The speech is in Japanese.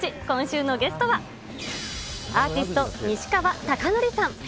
今週のゲストは、アーティスト、西川貴教さん。